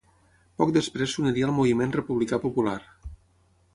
Poc després s'uniria al Moviment Republicà Popular.